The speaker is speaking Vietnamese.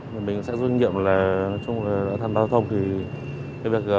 mình sẽ doanh nghiệm là trong loại than giao thông